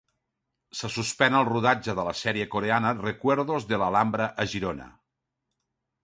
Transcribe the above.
Se suspèn el rodatge de la sèrie coreana 'Recuerdos de la Alhambra'a Girona.